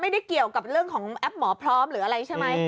ไม่ได้เกี่ยวกับเรื่องของแอปหมอพร้อมหรืออะไรใช่ไหม